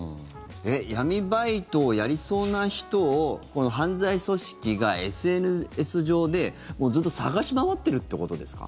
闇バイトをやりそうな人をこの犯罪組織がＳＮＳ上でずっと探し回ってるってことですか。